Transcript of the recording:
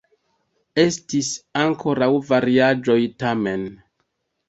Estis ankoraŭ variaĵoj, tamen.